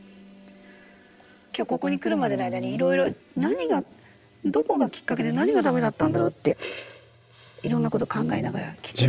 今日ここに来るまでの間にいろいろ何がどこがきっかけで何がダメだったんだろうっていろんなこと考えながら来て。